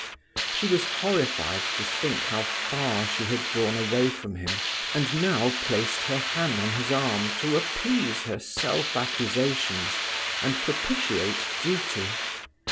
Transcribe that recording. She was horrified to think how far she had drawn away from him, and now placed her hand on his arm to appease her self accusations and propitiate duty.